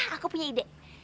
aku punya ide